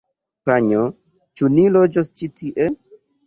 Panjo, ĉu ni loĝos ĉi tie?